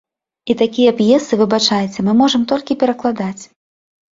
І такія п'есы, выбачайце, мы можам толькі перакладаць.